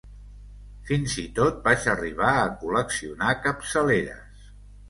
Fins i tot vaig arribar a col·leccionar capçaleres.